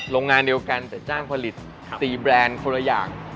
โรงงานเดียวกันแต่จ้างผลิตตีแบรนด์คนละอย่าง